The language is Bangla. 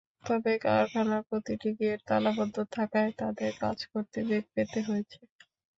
তবে কারখানার প্রতিটি গেট তালাবদ্ধ থাকায় তাদের কাজ করতে বেগ পেতে হয়েছে।